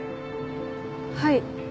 はい。